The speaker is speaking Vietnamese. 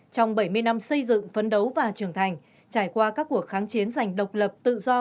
trong bảy mươi năm xây dựng phấn đấu và trưởng thành trải qua các cuộc kháng chiến dành độc lập tự do